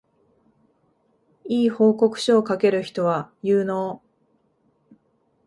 良い報告書を書ける人は有能